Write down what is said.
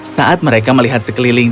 saat mereka melihat sekeliling